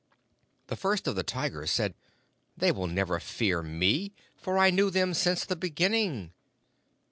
The First of the Tigers said, 'They will never fear me, for I knew them since the beginning.'